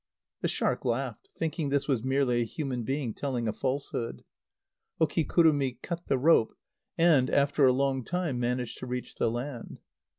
The shark laughed, thinking this was merely a human being telling a falsehood. Okikurumi cut the rope, and, after a long time, managed to reach the land.